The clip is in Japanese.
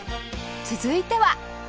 続いては